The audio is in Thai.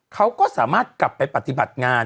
เขาก็สามารถกลับไปปฏิบัติงาน